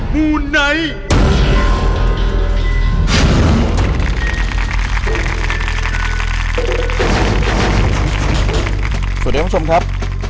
สวัสดีครับคุณผู้ชมครับ